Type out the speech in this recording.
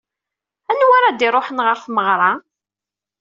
Anwa ara d-iruḥen ɣer tmeɣra?